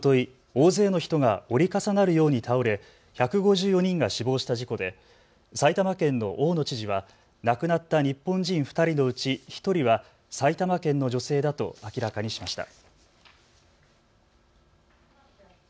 大勢の人が折り重なるように倒れ１５４人が死亡した事故で埼玉県の大野知事は、亡くなった日本人２人のうち１人は埼玉県の女性だと明らかにしました。